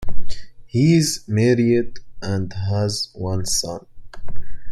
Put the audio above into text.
He is married and has one son.